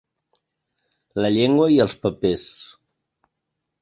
La llengua i els papers.